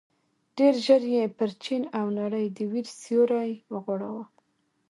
ډېر ژر یې پر چين او نړۍ د وېر سيوری وغوړاوه.